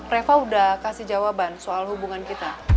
reva udah kasih jawaban soal hubungan kita